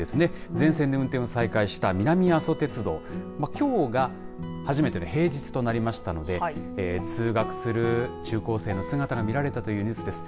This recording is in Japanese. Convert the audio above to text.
全線で運転を再開した南阿蘇鉄道きょうが初めての平日となりましたので通学する中高生の姿が見られたというニュースです。